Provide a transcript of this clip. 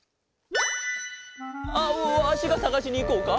あっわしがさがしにいこうか？